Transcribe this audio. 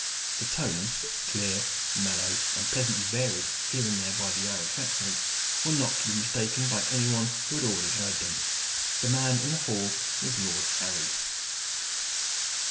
The tones clear, mellow, and pleasantly varied here and there by the Irish accent were not to be mistaken by any one who had already hear them. The man in the hall was Lord Harry.